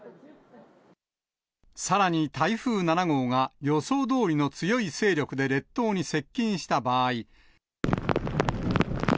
さらに台風７号が予想どおりの強い勢力で列島に接近した場合。